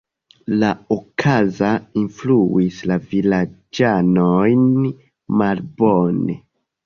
La okazo influis la vilaĝanojn malbone.